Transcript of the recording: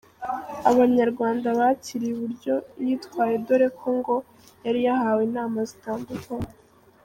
Abanyarwanda bakiriye uburyo yitwaye dore ko ngo yari yahawe inama zitandukanye.